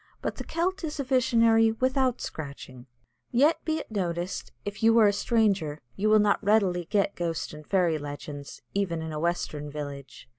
But the Celt is a visionary without scratching. Yet, be it noticed, if you are a stranger, you will not readily get ghost and fairy legends, even in a western village.